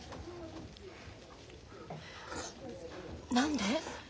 何で？